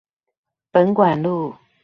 本館路